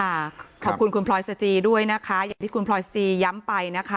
ขอบคุณคุณพลอยสจีด้วยนะคะอย่างที่คุณพลอยสจีย้ำไปนะคะ